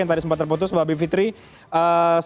yang tadi sempat terputus mbak bivitri